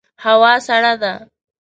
هوا سړه ده